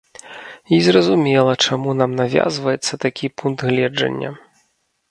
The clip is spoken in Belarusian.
І зразумела, чаму нам навязваецца такі пункт гледжання.